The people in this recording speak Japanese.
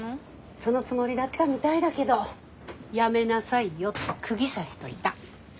そのつもりだったみたいだけどやめなさいよってクギ刺しといた。